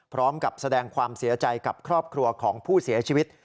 พร้อมกับแสดงความเสียใจกับครอบครัวของผู้เสียชีวิต